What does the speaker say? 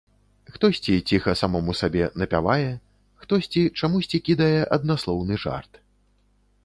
Хтосьці ціха, самому сабе, напявае, хтосьці чамусьці кідае аднаслоўны жарт.